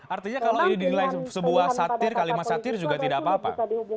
artinya kalau ini dinilai sebuah satir kalimat satir juga tidak apa apa